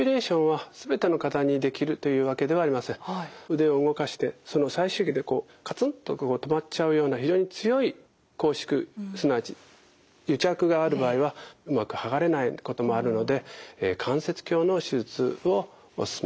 腕を動かしてその最終域でこうカツンと止まっちゃうような非常に強い拘縮すなわち癒着がある場合はうまくはがれないこともあるので関節鏡の手術をおすすめすることが多いと思います。